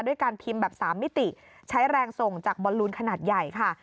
การพิมพ์แบบ๓มิติใช้แรงส่งจากบอลลูนขนาดใหญ่ค่ะ